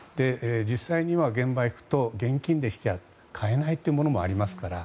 実際に現場に行くと現金でしか買えないというものもありますから。